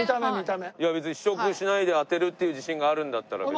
いや別に試食しないで当てるっていう自信があるんだったら別に。